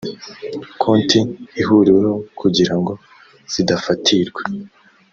konti ihuriweho kugira ngo zidafatirwa